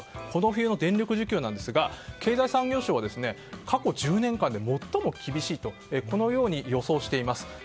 この冬の電力需給なんですが経済産業省は過去１０年間で最も厳しいと予想しています。